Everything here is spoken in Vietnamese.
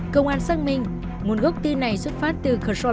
cơ quan xác minh nguồn gốc tin này xuất phát từ khởi sô lân